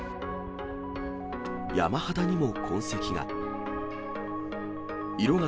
山肌にも痕跡が。